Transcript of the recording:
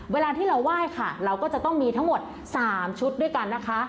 เวลาที่เราไหว้ค่ะเราก็จะต้องมีทั้งหมด๓ชุดด้วยกันนะคะ